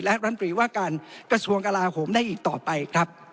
และรัฐตรีว่าการกระทรวงกลาโหมได้อีกต่อไปครับ